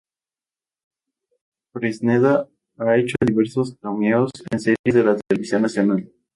Fresneda ha hecho diversos cameos en series de la televisión nacional.